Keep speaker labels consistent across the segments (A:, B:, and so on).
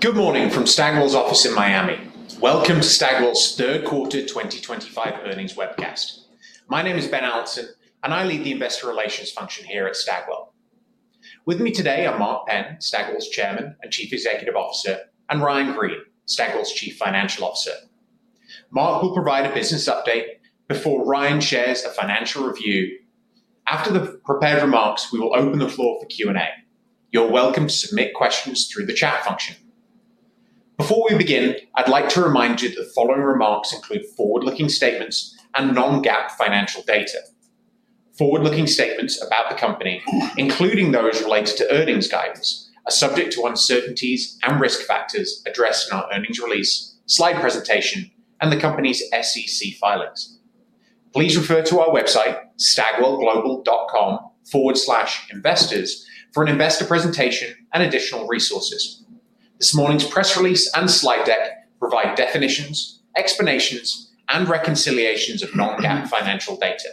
A: Good morning from Stagwell's office in Miami. Welcome to Stagwell's Third Quarter 2025 Earnings Webcast. My name is Ben Allanson, and I lead the investor relations function here at Stagwell. With me today are Mark Penn, Stagwell's Chairman and Chief Executive Officer, and Ryan Greene, Stagwell's Chief Financial Officer. Mark will provide a business update before Ryan shares a financial review. After the prepared remarks, we will open the floor for Q&A. You're welcome to submit questions through the chat function. Before we begin, I'd like to remind you that the following remarks include forward-looking statements and non-GAAP financial data. Forward-looking statements about the company, including those related to earnings guidance, are subject to uncertainties and risk factors addressed in our earnings release, slide presentation, and the company's SEC filings. Please refer to our website, stagwellglobal.com/investors, for an investor presentation and additional resources. This morning's press release and slide deck provide definitions, explanations, and reconciliations of non-GAAP financial data.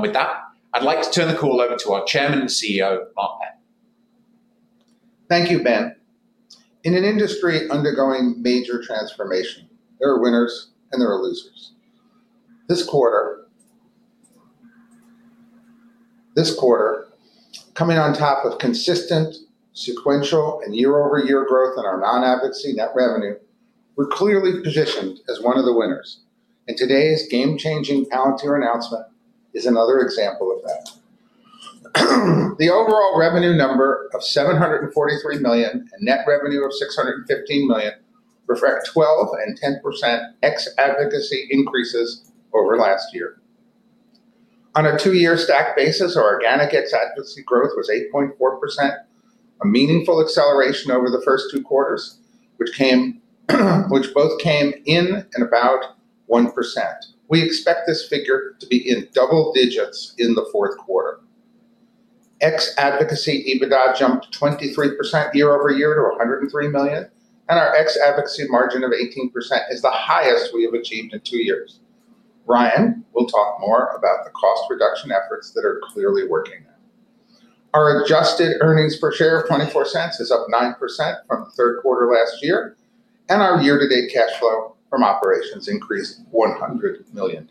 A: With that, I'd like to turn the call over to our Chairman and CEO, Mark Penn.
B: Thank you, Ben. In an industry undergoing major transformation, there are winners and there are losers. This quarter, coming on top of consistent sequential and year-over-year growth in our non-advocacy net revenue, we're clearly positioned as one of the winners. Today's game-changing Palantir announcement is another example of that. The overall revenue number of $743 million and net revenue of $615 million reflect 12% and 10% ex-advocacy increases over last year. On a two-year stack basis, our organic ex-advocacy growth was 8.4%, a meaningful acceleration over the first two quarters, which both came in at about 1%. We expect this figure to be in double digits in the fourth quarter. Ex-advocacy EBITDA jumped 23% year-over-year to $103 million, and our ex-advocacy margin of 18% is the highest we have achieved in two years. Ryan will talk more about the cost reduction efforts that are clearly working there. Our adjusted earnings per share of $0.24 is up 9% from the third quarter last year, and our year-to-date cash flow from operations increased $100 million.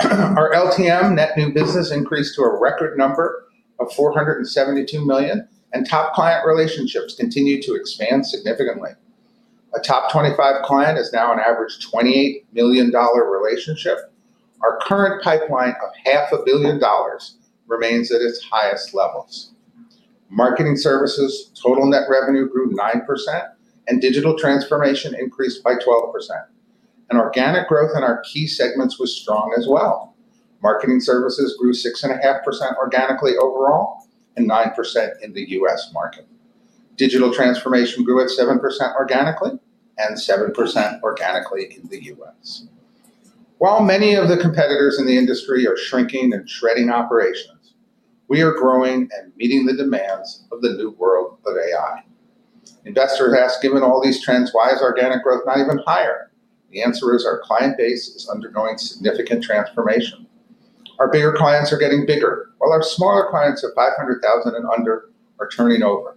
B: Our LTM, net new business, increased to a record number of $472 million, and top client relationships continue to expand significantly. A top 25 client is now an average $28 million relationship. Our current pipeline of $500 million remains at its highest levels. Marketing services' total net revenue grew 9%, and digital transformation increased by 12%. Organic growth in our key segments was strong as well. Marketing services grew 6.5% organically overall and 9% in the U.S. market. Digital transformation grew at 7% organically and 7% organically in the U.S. While many of the competitors in the industry are shrinking and shredding operations, we are growing and meeting the demands of the new world of AI. Investors ask, given all these trends, why is organic growth not even higher? The answer is our client base is undergoing significant transformation. Our bigger clients are getting bigger, while our smaller clients of $500,000 and under are turning over.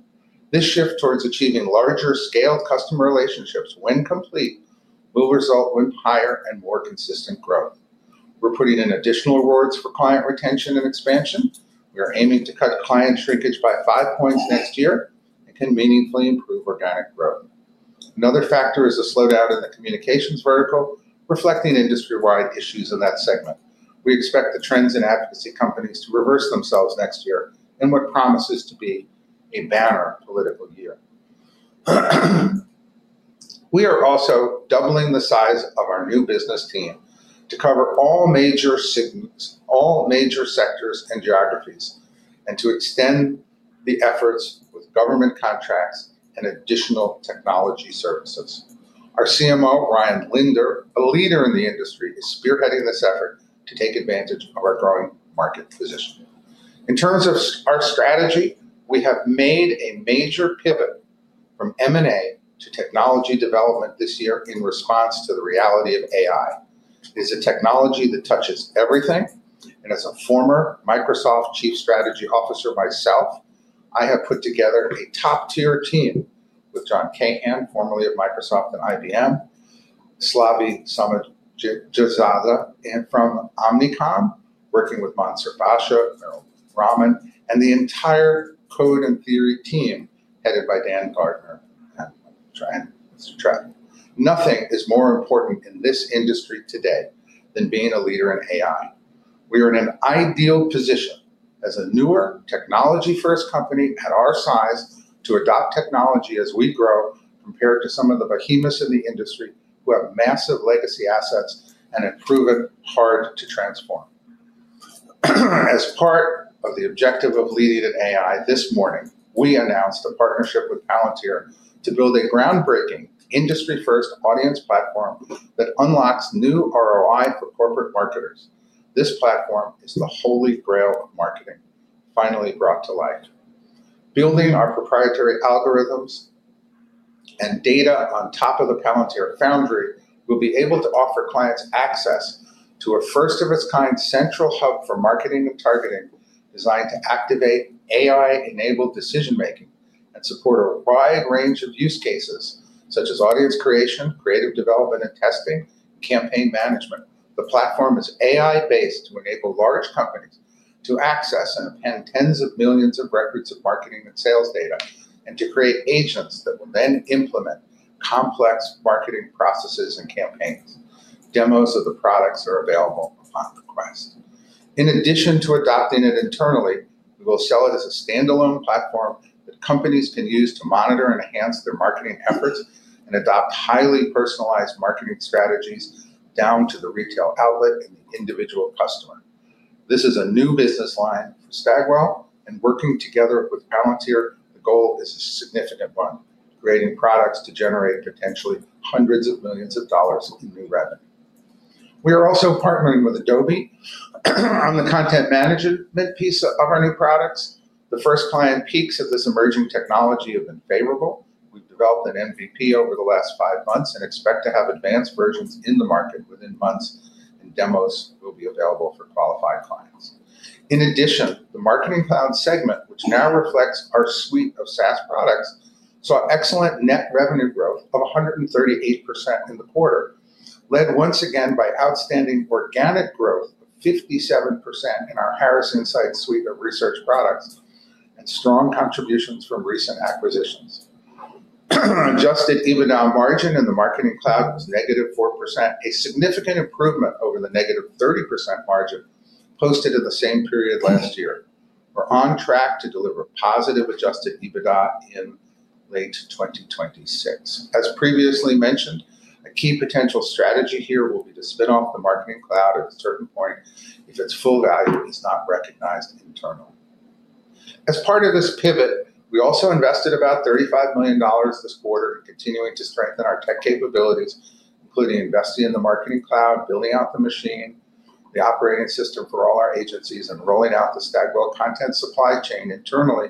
B: This shift towards achieving larger-scale customer relationships, when complete, will result in higher and more consistent growth. We're putting in additional rewards for client retention and expansion. We are aiming to cut client shrinkage by five points next year and can meaningfully improve organic growth. Another factor is a slowdown in the communications vertical, reflecting industry-wide issues in that segment. We expect the trends in advocacy companies to reverse themselves next year in what promises to be a banner political year. We are also doubling the size of our new business team to cover all major segments, all major sectors, and geographies, and to extend the efforts with government contracts and additional technology services. Our CMO, Ryan Linder, a leader in the industry, is spearheading this effort to take advantage of our growing market position. In terms of our strategy, we have made a major pivot from M&A to technology development this year in response to the reality of AI. It is a technology that touches everything, and as a former Microsoft Chief Strategy Officer myself, I have put together a top-tier team with John Kahan, formerly of Microsoft and IBM, Slavi Samardjiza, and from Omnicom, working with Mansoor Basha, Merrill Roman, and the entire Code and Theory team headed by Dan Gardner. Nothing is more important in this industry today than being a leader in AI. We are in an ideal position as a newer, technology-first company at our size to adopt technology as we grow compared to some of the behemoths in the industry who have massive legacy assets and have proven hard to transform. As part of the objective of leading in AI this morning, we announced a partnership with Palantir to build a groundbreaking industry-first audience platform that unlocks new ROI for corporate marketers. This platform is the holy grail of marketing, finally brought to life. Building our proprietary algorithms and data on top of the Palantir Foundry, we will be able to offer clients access to a first-of-its-kind central hub for marketing and targeting designed to activate AI-enabled decision-making and support a wide range of use cases such as audience creation, creative development and testing, and campaign management. The platform is AI-based to enable large companies to access and append tens of millions of records of marketing and sales data and to create agents that will then implement complex marketing processes and campaigns. Demos of the products are available upon request. In addition to adopting it internally, we will sell it as a standalone platform that companies can use to monitor and enhance their marketing efforts and adopt highly personalized marketing strategies down to the retail outlet and the individual customer. This is a new business line for Stagwell, and working together with Palantir, the goal is a significant one, creating products to generate potentially hundreds of millions of dollars in new revenue. We are also partnering with Adobe on the content management piece of our new products. The first client peaks of this emerging technology have been favorable. We've developed an MVP over the last five months and expect to have advanced versions in the market within months, and demos will be available for qualified clients. In addition, the marketing cloud segment, which now reflects our suite of SaaS products, saw excellent net revenue growth of 138% in the quarter, led once again by outstanding organic growth of 57% in our Harris Insights suite of research products and strong contributions from recent acquisitions. Adjusted EBITDA margin in the marketing cloud was -4%, a significant improvement over the -30% margin posted in the same period last year. We're on track to deliver positive Adjusted EBITDA in late 2026. As previously mentioned, a key potential strategy here will be to spin off the marketing cloud at a certain point if its full value is not recognized internally. As part of this pivot, we also invested about $35 million this quarter in continuing to strengthen our tech capabilities, including investing in the marketing cloud, building out The Machine, the operating system for all our agencies, and rolling out the Stagwell Content Supply Chain internally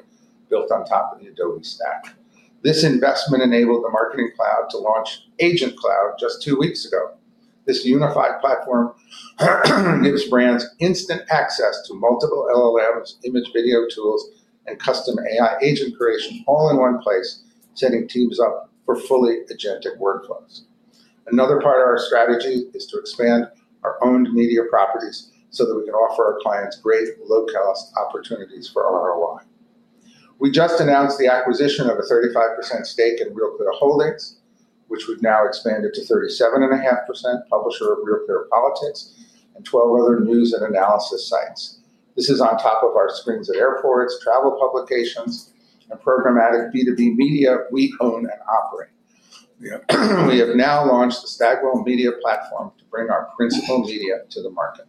B: built on top of the Adobe stack. This investment enabled the marketing cloud to launch Agent Cloud just two weeks ago. This unified platform gives brands instant access to multiple LLMs, image video tools, and custom AI agent creation, all in one place, setting teams up for fully agentic workflows. Another part of our strategy is to expand our owned media properties so that we can offer our clients great low-cost opportunities for ROI. We just announced the acquisition of a 35% stake in RealClear Holdings, which we've now expanded to 37.5%, publisher of RealClearPolitics, and 12 other news and analysis sites. This is on top of our screens at airports, travel publications, and programmatic B2B media we own and operate. We have now launched the Stagwell Media platform to bring our principal media to the market.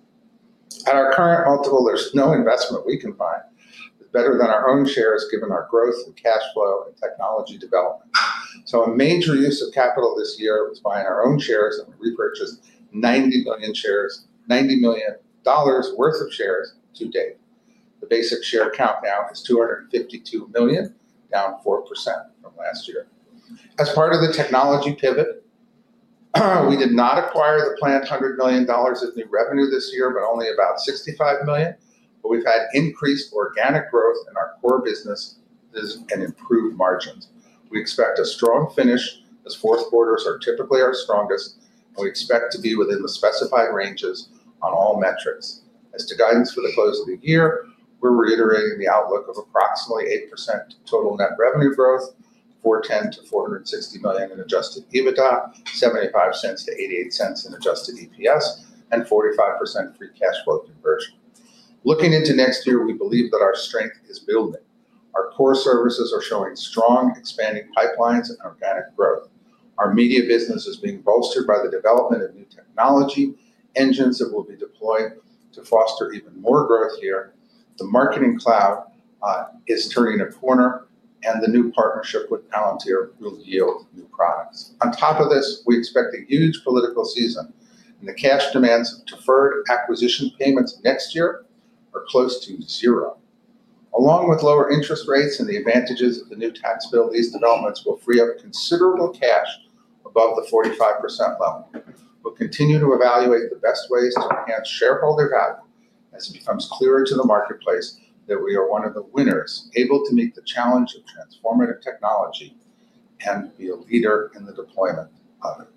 B: At our current multiple, there's no investment we can find that's better than our own shares given our growth in cash flow and technology development. A major use of capital this year was buying our own shares, and we repurchased $90 million worth of shares to date. The basic share count now is 252 million, down 4% from last year. As part of the technology pivot, we did not acquire the planned $100 million of new revenue this year, but only about $65 million. We have had increased organic growth in our core business and improved margins. We expect a strong finish as fourth quarters are typically our strongest, and we expect to be within the specified ranges on all metrics. As to guidance for the close of the year, we are reiterating the outlook of approximately 8% total net revenue growth, $410 million-$460 million in Adjusted EBITDA, $0.75-$0.88 in Adjusted EPS, and 45% free cash flow conversion. Looking into next year, we believe that our strength is building. Our core services are showing strong, expanding pipelines and organic growth. Our media business is being bolstered by the development of new technology engines that will be deployed to foster even more growth here. The marketing cloud is turning a corner, and the new partnership with Palantir will yield new products. On top of this, we expect a huge political season, and the cash demands of deferred acquisition payments next year are close to zero. Along with lower interest rates and the advantages of the new tax bill, these developments will free up considerable cash above the 45% level. We'll continue to evaluate the best ways to enhance shareholder value as it becomes clearer to the marketplace that we are one of the winners able to meet the challenge of transformative technology and be a leader in the deployment of it.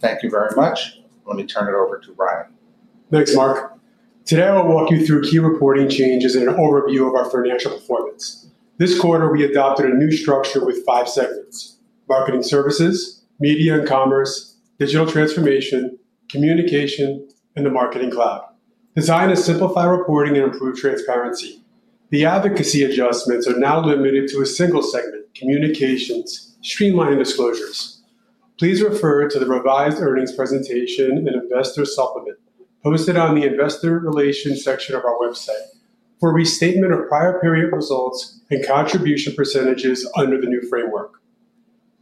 B: Thank you very much. Let me turn it over to Ryan.
C: Thanks, Mark. Today, I'll walk you through key reporting changes and an overview of our financial performance. This quarter, we adopted a new structure with five segments. Marketing services, media and commerce, digital transformation, communication, and the marketing cloud. Design has simplified reporting and improved transparency. The advocacy adjustments are now limited to a single segment, communications, streamlined disclosures. Please refer to the revised earnings presentation and investor supplement posted on the investor relations section of our website for a restatement of prior period results and contribution percentages under the new framework.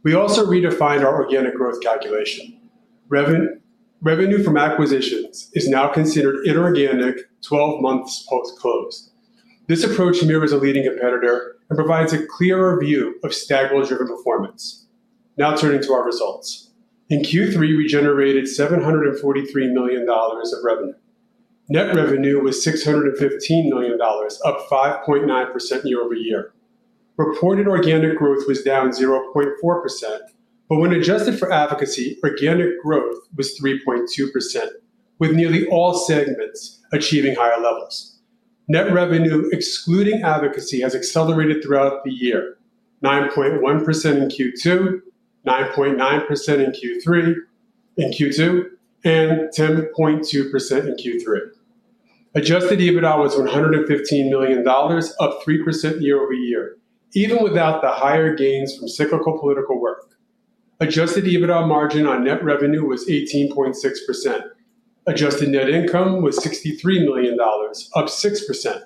C: We also redefined our organic growth calculation. Revenue from acquisitions is now considered inorganic 12 months post-close. This approach mirrors a leading competitor and provides a clearer view of Stagwell-driven performance. Now turning to our results. In Q3, we generated $743 million of revenue. Net revenue was $615 million, up 5.9% year-over-year. Reported organic growth was down 0.4%, but when adjusted for advocacy, organic growth was 3.2%, with nearly all segments achieving higher levels. Net revenue, excluding advocacy, has accelerated throughout the year. 9.1% in Q2, 9.9% in Q2, and 10.2% in Q3. Adjusted EBITDA was $115 million, up 3% year-over-year, even without the higher gains from cyclical political work. Adjusted EBITDA margin on net revenue was 18.6%. Adjusted net income was $63 million, up 6%.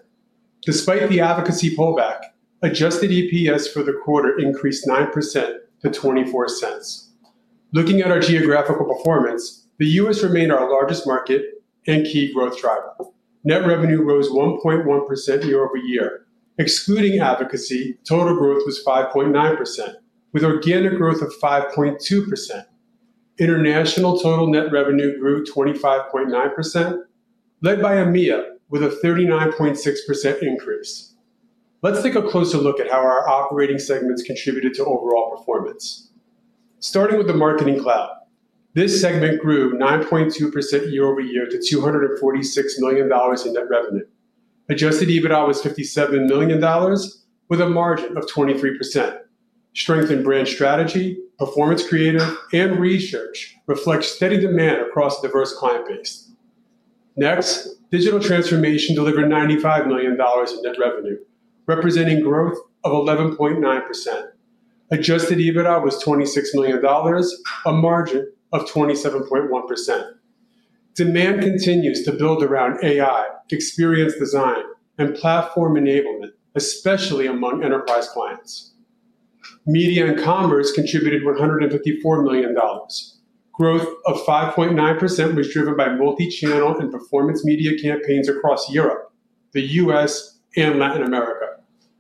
C: Despite the advocacy pullback, Adjusted EPS for the quarter increased 9% to $0.24. Looking at our geographical performance, the U.S. remained our largest market and key growth driver. Net revenue rose 1.1% year-over-year. Excluding advocacy, total growth was 5.9%, with organic growth of 5.2%. International total net revenue grew 25.9%, led by EMEA, with a 39.6% increase. Let's take a closer look at how our operating segments contributed to overall performance. Starting with the marketing cloud, this segment grew 9.2% year-over-year to $246 million in net revenue. Adjusted EBITDA was $57 million, with a margin of 23%. Strength in brand strategy, performance creative, and research reflect steady demand across a diverse client base. Next, digital transformation delivered $95 million in net revenue, representing growth of 11.9%. Adjusted EBITDA was $26 million, a margin of 27.1%. Demand continues to build around AI, experience design, and platform enablement, especially among enterprise clients. Media and commerce contributed $154 million. Growth of 5.9% was driven by multi-channel and performance media campaigns across Europe, the U.S., and Latin America.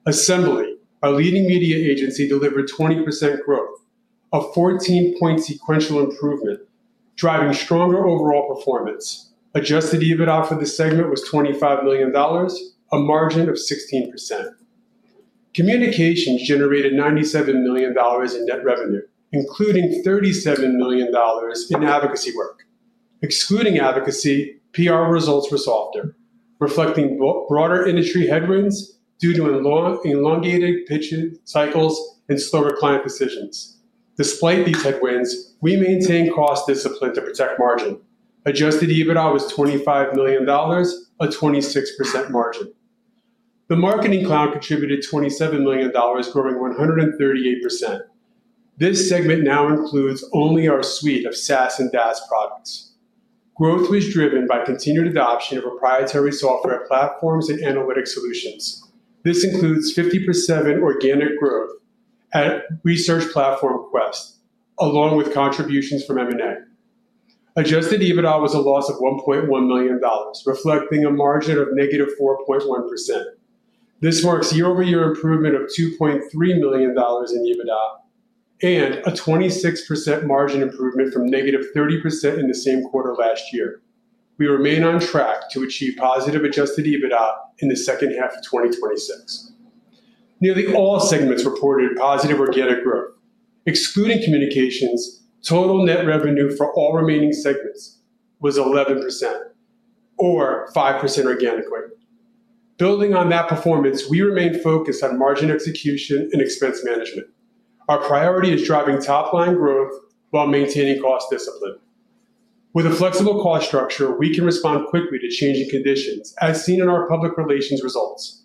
C: Assembly, our leading media agency, delivered 20% growth, a 14-point sequential improvement, driving stronger overall performance. Adjusted EBITDA for this segment was $25 million, a margin of 16%. Communications generated $97 million in net revenue, including $37 million in advocacy work. Excluding advocacy, PR results were softer, reflecting broader industry headwinds due to elongated pitch cycles and slower client decisions. Despite these headwinds, we maintained cost discipline to protect margin. Adjusted EBITDA was $25 million, a 26% margin. The marketing cloud contributed $27 million, growing 138%. This segment now includes only our suite of SaaS and DaaS products. Growth was driven by continued adoption of proprietary software platforms and analytic solutions. This includes 50% organic growth at research platform Quest, along with contributions from M&A. Adjusted EBITDA was a loss of $1.1 million, reflecting a margin of -4.1%. This marks year-over-year improvement of $2.3 million in EBITDA and a 26% margin improvement from -30% in the same quarter last year. We remain on track to achieve positive Adjusted EBITDA in the second half of 2026. Nearly all segments reported positive organic growth. Excluding communications, total net revenue for all remaining segments was 11% or 5% organically. Building on that performance, we remain focused on margin execution and expense management. Our priority is driving top-line growth while maintaining cost discipline. With a flexible cost structure, we can respond quickly to changing conditions, as seen in our public relations results.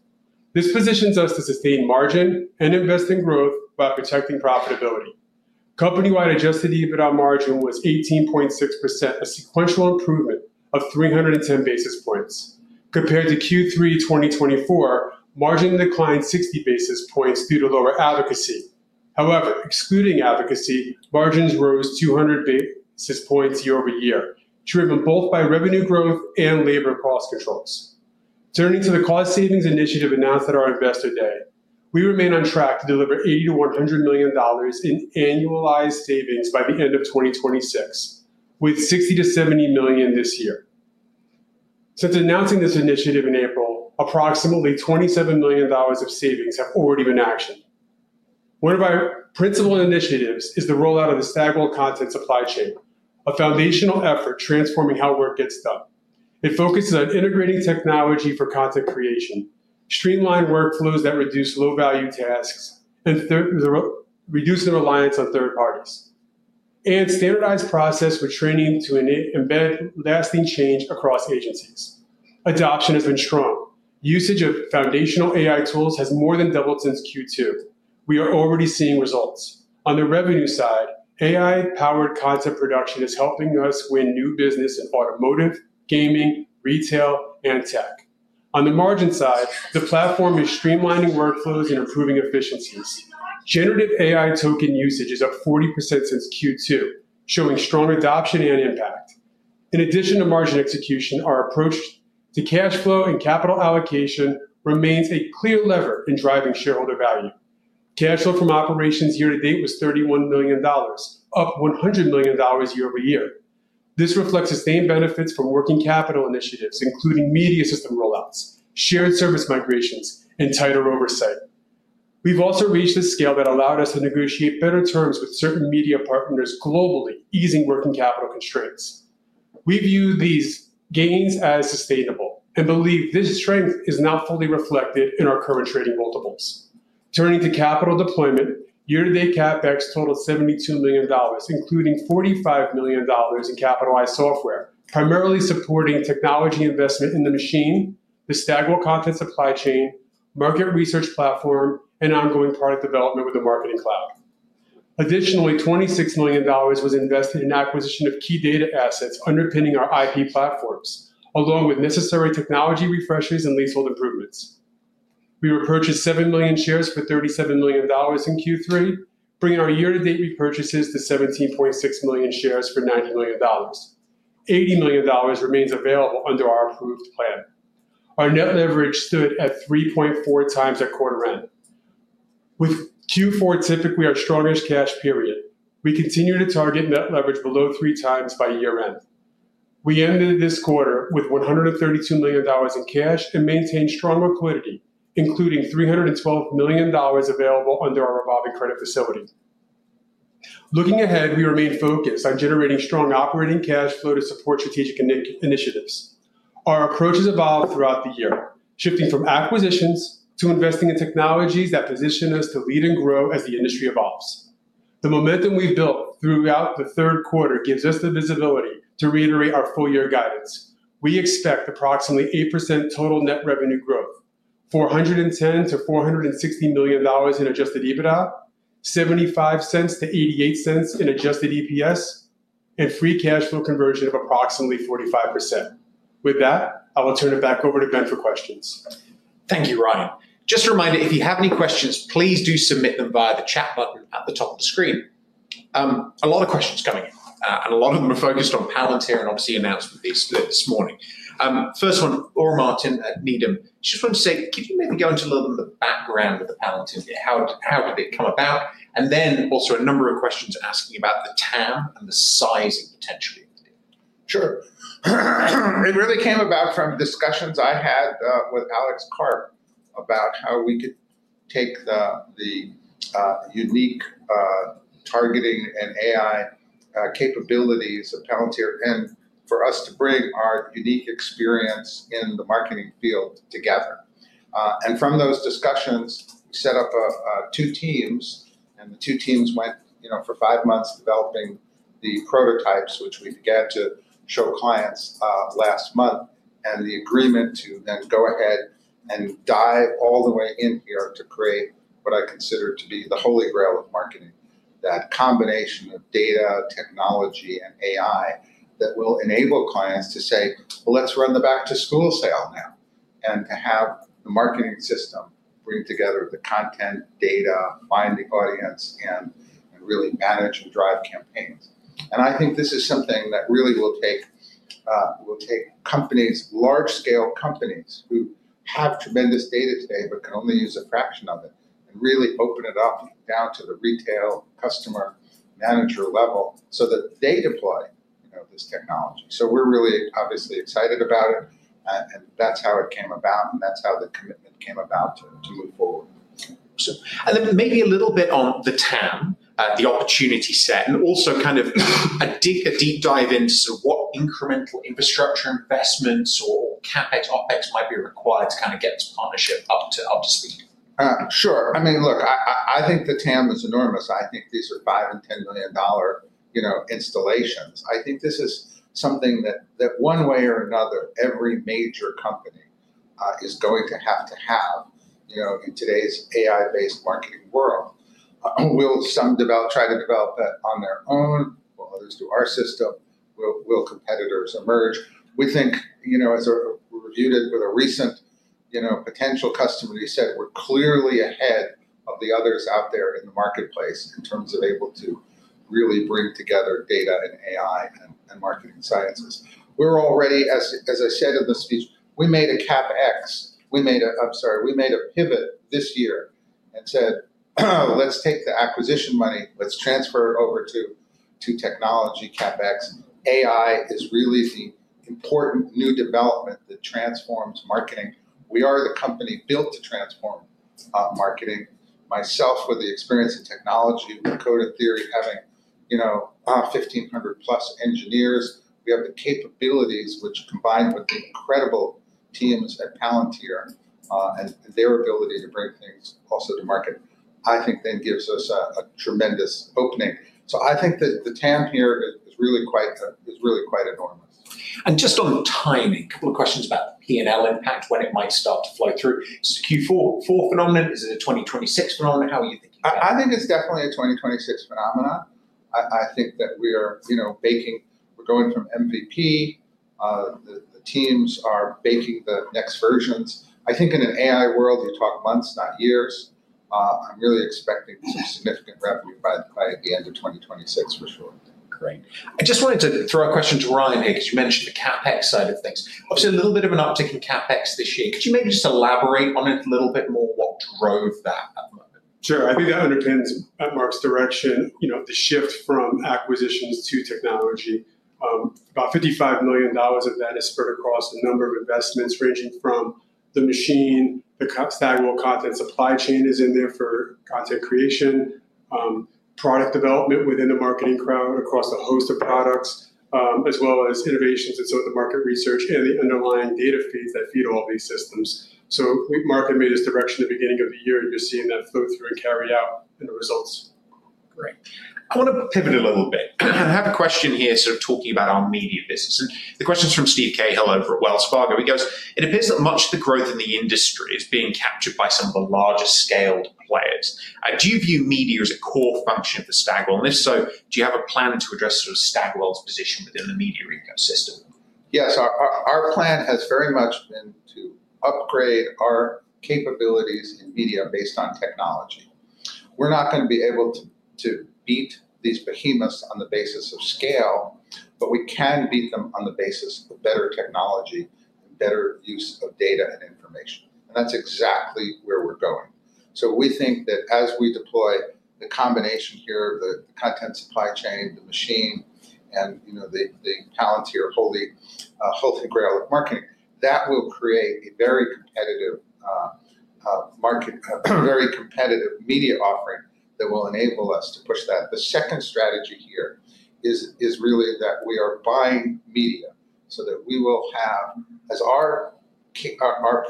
C: This positions us to sustain margin and invest in growth by protecting profitability. Company-wide adjusted EBITDA margin was 18.6%, a sequential improvement of 310 basis points. Compared to Q3 2024, margin declined 60 basis points due to lower advocacy. However, excluding advocacy, margins rose 200 basis points year-over-year, driven both by revenue growth and labor cost controls. Turning to the cost savings initiative announced at our Investor Day, we remain on track to deliver $80 million-$100 million in annualized savings by the end of 2026, with $60 million-$70 million this year. Since announcing this initiative in April, approximately $27 million of savings have already been actioned. One of our principal initiatives is the rollout of the Stagwell Content Supply Chain, a foundational effort transforming how work gets done. It focuses on integrating technology for content creation, streamlined workflows that reduce low-value tasks and reduce the reliance on third parties, and standardized process with training to embed lasting change across agencies. Adoption has been strong. Usage of foundational AI tools has more than doubled since Q2. We are already seeing results. On the revenue side, AI-powered content production is helping us win new business in automotive, gaming, retail, and tech. On the margin side, the platform is streamlining workflows and improving efficiencies. Generative AI token usage is up 40% since Q2, showing strong adoption and impact. In addition to margin execution, our approach to cash flow and capital allocation remains a clear lever in driving shareholder value. Cash flow from operations year-to-date was $31 million, up $100 million year-over-year. This reflects sustained benefits from working capital initiatives, including media system rollouts, shared service migrations, and tighter oversight. We've also reached a scale that allowed us to negotiate better terms with certain media partners globally, easing working capital constraints. We view these gains as sustainable and believe this strength is now fully reflected in our current trading multiples. Turning to capital deployment, year-to-date CapEx totaled $72 million, including $45 million in capitalized software, primarily supporting technology investment in The Machine, the Stagwell Content Supply Chain, market research platform, and ongoing product development with the Marketing Cloud. Additionally, $26 million was invested in acquisition of key data assets underpinning our IP platforms, along with necessary technology refreshes and leasehold improvements. We repurchased 7 million shares for $37 million in Q3, bringing our year-to-date repurchases to 17.6 million shares for $90 million. $80 million remains available under our approved plan. Our net leverage stood at 3.4x at quarter end. With Q4 typically our strongest cash period, we continue to target net leverage below three times by year-end. We ended this quarter with $132 million in cash and maintained strong liquidity, including $312 million available under our revolving credit facility. Looking ahead, we remain focused on generating strong operating cash flow to support strategic initiatives. Our approach has evolved throughout the year, shifting from acquisitions to investing in technologies that position us to lead and grow as the industry evolves. The momentum we've built throughout the third quarter gives us the visibility to reiterate our full-year guidance. We expect approximately 8% total net revenue growth, $410 million-$460 million in Adjusted EBITDA, $0.75-$0.88 in Adjusted EPS, and free cash flow conversion of approximately 45%. With that, I will turn it back over to Ben for questions.
A: Thank you, Ryan. Just a reminder, if you have any questions, please do submit them via the chat button at the top of the screen. A lot of questions coming in, and a lot of them are focused on Palantir and obviously announced this morning. First one, Laura Martin at Needham. Just wanted to say, could you maybe go into a little bit of the background of the Palantir? How did it come about? Also, a number of questions asking about the TAM and the sizing potentially.
B: Sure. It really came about from discussions I had with Alex Karp about how we could take the unique targeting and AI capabilities of Palantir and for us to bring our unique experience in the marketing field together. From those discussions, we set up two teams, and the two teams went for five months developing the prototypes, which we began to show clients last month, and the agreement to then go ahead and dive all the way in here to create what I consider to be the holy grail of marketing, that combination of data, technology, and AI that will enable clients to say, "Let's run the back-to-school sale now," and to have the marketing system bring together the content, data, find the audience, and really manage and drive campaigns. I think this is something that will really take companies, large-scale companies, who have tremendous data today but can only use a fraction of it, and really open it up down to the retail customer manager level so that they deploy this technology. We are really obviously excited about it, and that is how it came about, and that is how the commitment came about to move forward.
A: Maybe a little bit on the TAM, the opportunity set, and also kind of a deep dive into what incremental infrastructure investments or CapEx, OpEx might be required to kind of get this partnership up to speed.
B: Sure. I mean, look, I think the TAM is enormous. I think these are $5 million and $10 million installations. I think this is something that one way or another, every major company is going to have to have in today's AI-based marketing world. Will some try to develop it on their own? Will others do our system? Will competitors emerge? We think, as we reviewed it with a recent potential customer, he said, "We're clearly ahead of the others out there in the marketplace in terms of able to really bring together data and AI and marketing sciences." We're already, as I said in the speech, we made a CapEx. We made a, I'm sorry, we made a pivot this year and said, "Let's take the acquisition money. Let's transfer it over to technology CapEx." AI is really the important new development that transforms marketing. We are the company built to transform marketing. Myself, with the experience in technology, with Code and Theory, having 1,500+ engineers, we have the capabilities, which combined with the incredible teams at Palantir and their ability to bring things also to market, I think then gives us a tremendous opening. I think that the TAM here is really quite enormous.
A: Just on timing, a couple of questions about P&L impact, when it might start to flow through. Is it a Q4 phenomenon? Is it a 2026 phenomenon? How are you thinking about it?
B: I think it's definitely a 2026 phenomenon. I think that we're baking, we're going from MVP. The teams are baking the next versions. I think in an AI world, you talk months, not years. I'm really expecting some significant revenue by the end of 2026 for sure.
A: Great. I just wanted to throw a question to Ryan here because you mentioned the CapEx side of things. Obviously, a little bit of an uptick in CapEx this year. Could you maybe just elaborate on it a little bit more, what drove that at the moment?
C: Sure. I think that underpins Mark's direction, the shift from acquisitions to technology. About $55 million of that is spread across a number of investments ranging from The Machine, the Stagwell Content Supply Chain is in there for content creation. Product development within the Marketing Cloud across a host of products, as well as innovations and some of the market research and the underlying data feeds that feed all these systems. Mark had made his direction at the beginning of the year, and you are seeing that flow through and carry out in the results.
A: Great. I want to pivot a little bit. I have a question here sort of talking about our media business. The question is from Steve Cahill over at Wells Fargo. He goes, "It appears that much of the growth in the industry is being captured by some of the largest scaled players. Do you view media as a core function of the Stagwell list?" Do you have a plan to address Stagwell's position within the media ecosystem?
B: Yes. Our plan has very much been to upgrade our capabilities in media based on technology. We're not going to be able to beat these behemoths on the basis of scale, but we can beat them on the basis of better technology and better use of data and information. That is exactly where we're going. We think that as we deploy the combination here, the Content Supply Chain, The Machine, and the Palantir holy grail of marketing, that will create a very competitive market, a very competitive media offering that will enable us to push that. The second strategy here is really that we are buying media so that we will have, as our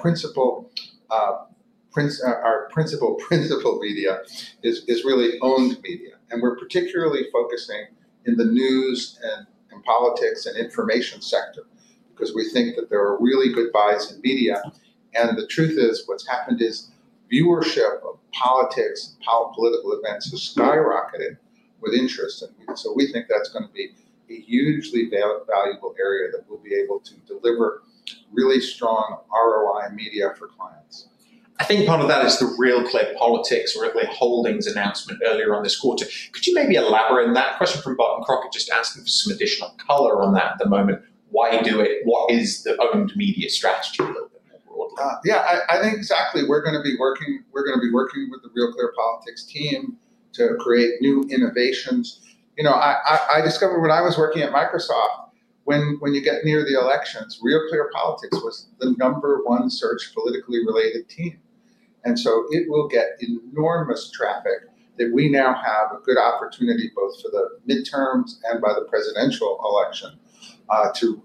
B: principal media is really owned media. We are particularly focusing in the news and politics and information sector because we think that there are really good buys in media. The truth is, what's happened is viewership of politics and political events has skyrocketed with interest in media. We think that's going to be a hugely valuable area that we'll be able to deliver really strong ROI media for clients.
A: I think part of that is the RealClearPolitics, RealClear Holdings announcement earlier on this quarter. Could you maybe elaborate on that? A question from Barton Crockett just asking for some additional color on that at the moment. Why do it? What is the owned media strategy a little bit more broadly?
B: Yeah. I think exactly we're going to be working with the RealClearPolitics team to create new innovations. I discovered when I was working at Microsoft, when you get near the elections, RealClearPolitics was the number one search politically related team. It will get enormous traffic that we now have a good opportunity both for the midterms and by the presidential election to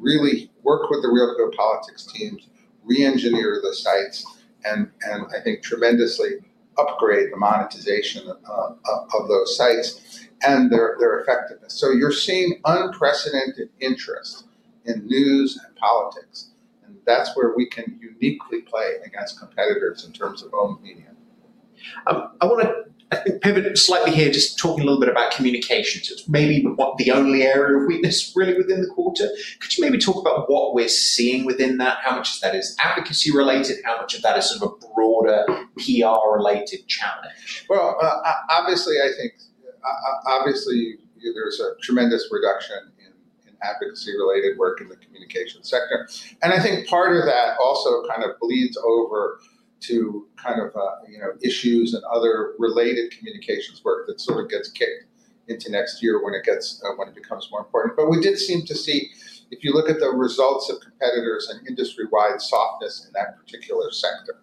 B: really work with the RealClearPolitics team, re-engineer the sites, and I think tremendously upgrade the monetization of those sites and their effectiveness. You are seeing unprecedented interest in news and politics. That is where we can uniquely play against competitors in terms of owned media.
A: I want to pivot slightly here, just talking a little bit about communication. It is maybe the only area of weakness really within the quarter. Could you maybe talk about what we are seeing within that? How much of that is advocacy related? How much of that is sort of a broader PR-related challenge?
B: Obviously, I think there's a tremendous reduction in advocacy-related work in the communication sector. I think part of that also kind of bleeds over to issues and other related communications work that sort of gets kicked into next year when it becomes more important. We did seem to see, if you look at the results of competitors and industry-wide softness in that particular sector.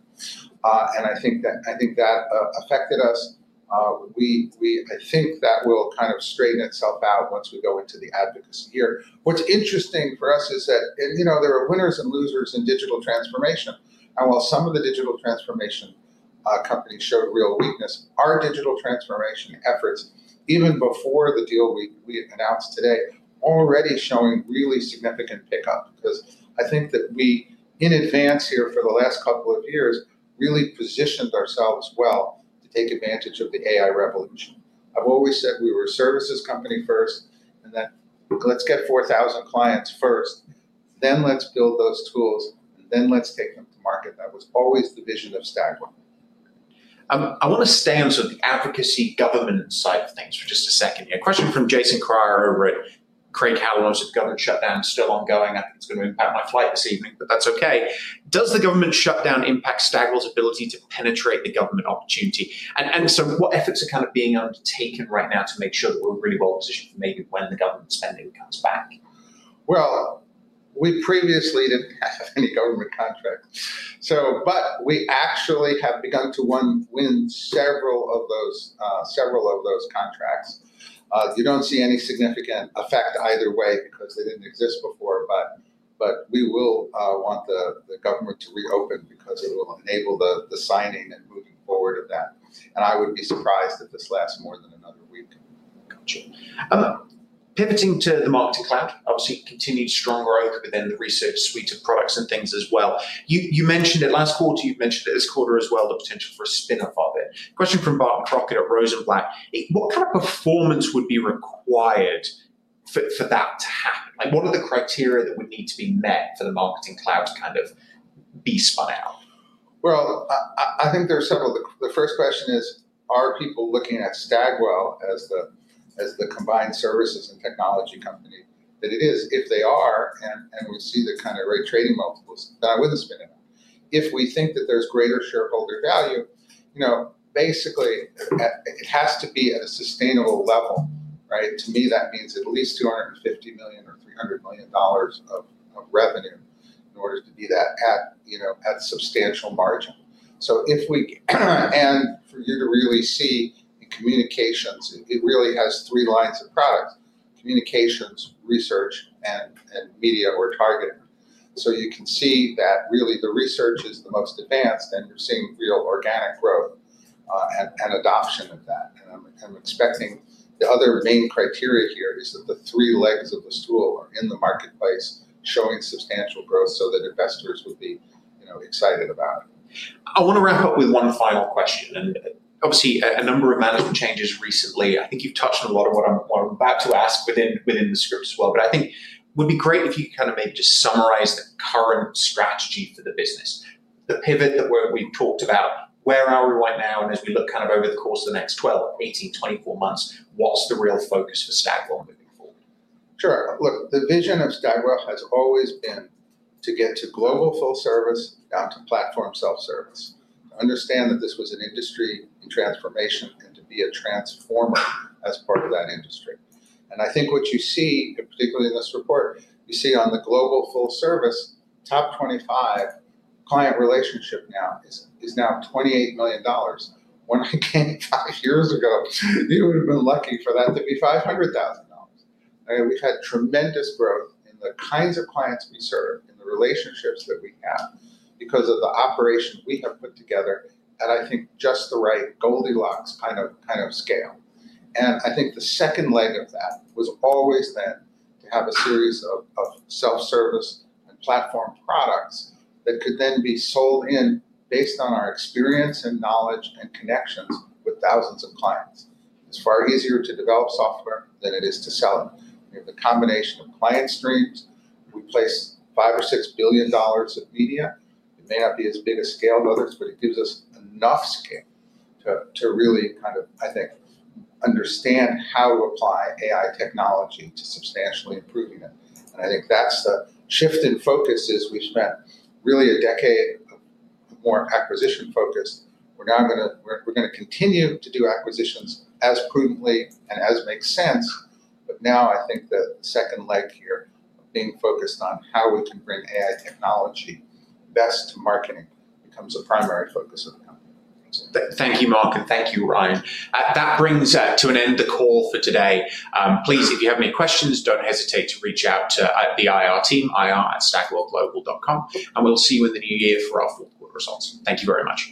B: I think that affected us. I think that will kind of straighten itself out once we go into the advocacy here. What's interesting for us is that there are winners and losers in digital transformation. While some of the digital transformation companies showed real weakness, our digital transformation efforts, even before the deal we announced today, are already showing really significant pickup because I think that we, in advance here for the last couple of years, really positioned ourselves well to take advantage of the AI revolution. I've always said we were a services company first and that let's get 4,000 clients first, then let's build those tools, and then let's take them to market. That was always the vision of Stagwell.
A: I want to stay on sort of the advocacy government side of things for just a second here. A question from Jason Kreyer over at Craig-Hallum is, at government shutdown still ongoing. I think it's going to impact my flight this evening, but that's okay. Does the government shutdown impact Stagwell's ability to penetrate the government opportunity? And so what efforts are kind of being undertaken right now to make sure that we're really well positioned for maybe when the government spending comes back?
B: We previously did not have any government contracts. We actually have begun to win several of those contracts. You do not see any significant effect either way because they did not exist before. We will want the government to reopen because it will enable the signing and moving forward of that. I would be surprised if this lasts more than another week.
A: Gotcha. Pivoting to the Marketing Cloud, obviously continued strong growth within the research suite of products and things as well. You mentioned it last quarter. You have mentioned it this quarter as well, the potential for a spin-off of it. Question from Barton Crockett at Rosenblatt. What kind of performance would be required for that to happen? What are the criteria that would need to be met for the Marketing Cloud to kind of be spun out?
B: I think there are several. The first question is, are people looking at Stagwell as the combined services and technology company that it is? If they are, and we see the kind of rate trading multiples, that would not spin it out. If we think that there is greater shareholder value, basically, it has to be at a sustainable level. To me, that means at least $250 million or $300 million of revenue in order to be that at substantial margin. For you to really see in communications, it really has three lines of product, communications, research, and media, our target. You can see that really the research is the most advanced, and you are seeing real organic growth and adoption of that. I'm expecting the other main criteria here is that the three legs of the stool are in the marketplace showing substantial growth so that investors would be excited about it.
A: I want to wrap up with one final question. Obviously, a number of management changes recently. I think you've touched on a lot of what I'm about to ask within the script as well. I think it would be great if you could kind of maybe just summarize the current strategy for the business. The pivot that we've talked about, where are we right now? As we look kind of over the course of the next 12, 18, 24 months, what's the real focus for Stagwell moving forward?
B: Sure. Look, the vision of Stagwell has always been to get to global full-service, down to platform self-service. Understand that this was an industry in transformation and to be a transformer as part of that industry. I think what you see, particularly in this report, you see on the global full-service, top 25 client relationship now is now $28 million. When I came five years ago, you would have been lucky for that to be $500,000. We've had tremendous growth in the kinds of clients we serve, in the relationships that we have because of the operation we have put together at, I think, just the right Goldilocks kind of scale. I think the second leg of that was always then to have a series of self-service and platform products that could then be sold in based on our experience and knowledge and connections with thousands of clients. It's far easier to develop software than it is to sell it. We have the combination of client streams. We place $5 billion or $6 billion of media. It may not be as big a scale as others, but it gives us enough scale to really kind of, I think, understand how to apply AI technology to substantially improving it. I think that's the shift in focus is we spent really a decade of more acquisition focus. We're going to continue to do acquisitions as prudently and as it makes sense. Now, I think the second leg here of being focused on how we can bring AI technology best to marketing becomes the primary focus of the company.
A: Thank you, Mark, and thank you, Ryan. That brings to an end the call for today. Please, if you have any questions, do not hesitate to reach out to the IR team, ir@stagwellglobal.com. We will see you in the new year for our full quarter results. Thank you very much.